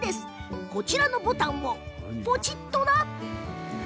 こちらのボタンをポチッとな。